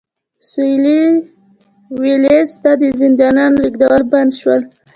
سوېلي ویلز ته د زندانیانو لېږدول بند شول.